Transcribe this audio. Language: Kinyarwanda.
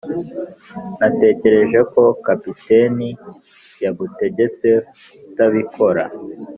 natekereje ko capitaine yagutegetse kutabikora.